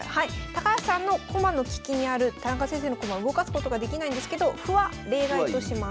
高橋さんの駒の利きにある田中先生の駒動かすことができないんですけど歩は例外とします。